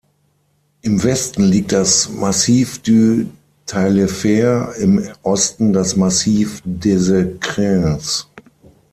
Im Westen liegt das Massif du Taillefer, im Osten das Massif des Écrins.